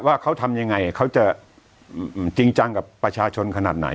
ว่าเขาทำยังไงเขาจะจริงจังกับประชาชนขนาดไหน